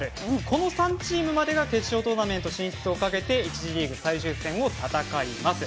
この３チームまでが決勝トーナメント進出をかけて１次リーグ最終戦を戦います。